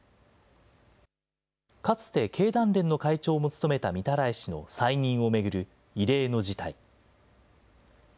かつて経団連の会長も務めた御手洗氏の再任を巡る異例の事態。